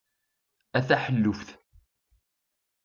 A taḥelluft!